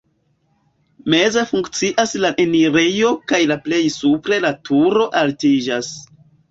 Meze funkcias la enirejo kaj la plej supre la turo altiĝas.